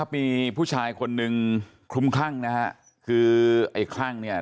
มีผู้ชายคนหนึ่งคลุมคลั่งนะฮะคือไอ้คลั่งเนี่ย